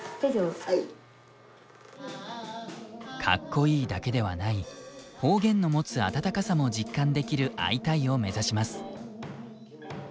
かっこいいだけではない方言の持つ温かさも実感できる「アイタイ！」を目指します。